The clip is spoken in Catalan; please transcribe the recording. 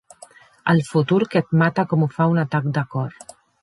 El futur que et mata com ho fa un atac de cor.